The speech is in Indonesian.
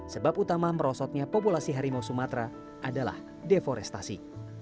sebab utama merosotnya populasi harimau sumatera adalah deforestasi